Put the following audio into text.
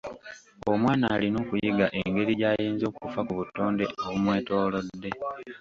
Omwana alina okuyiga engeri gy’ayinza okufa ku butonde obumwetoolodde.